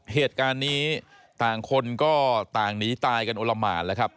เหตุการณ์นี้ต่างคนก็ต่างหนีตายกันโอละหมานแล้วครับ